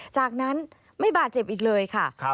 จากนั้นไม่บาดเจ็บอีกเลยค่ะ